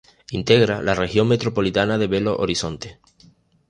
Integra la región metropolitana de Belo Horizonte.